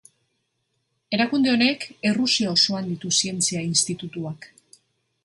Erakunde honek, Errusia osoan ditu zientzia institutuak.